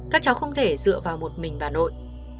các cháu không thể dựa vào một mình bà nội